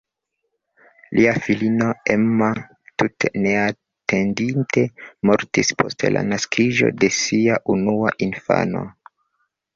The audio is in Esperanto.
Lia filino "Emma" tute neatendite mortis post la naskiĝo de sia unua infano.